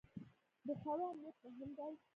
د خوړو امنیت مهم دی.